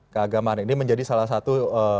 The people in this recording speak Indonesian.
keagamaan ini menjadi salah satu